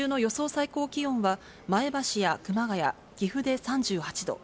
最高気温は前橋や熊谷、岐阜で３８度。